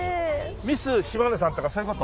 ミス島根さんとかそういう事？